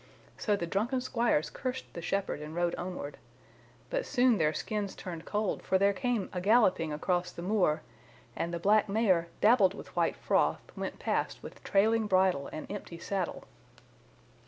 So the drunken squires cursed the shepherd and rode onward. But soon their skins turned cold, for there came a galloping across the moor, and the black mare, dabbled with white froth, went past with trailing bridle and empty saddle.